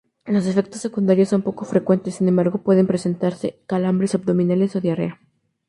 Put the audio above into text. Los efectos secundarios son poco frecuentes, sin embargo, pueden presentarse calambres abdominales o diarrea.